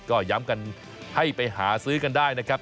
ก็ย้ำกันให้ไปหาซื้อกันได้นะครับ